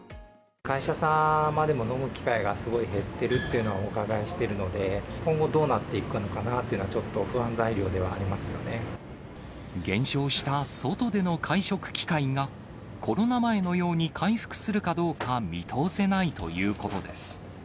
会社様でも飲む機会がすごい減ってるというのをお伺いしてるので、今後どうなっていくのかなっていうのは、ちょっと不安材料ではあ減少した外での会食機会が、コロナ前のように回復するかどうか見通せないということです。